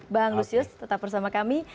bang lusius tetap bersama kami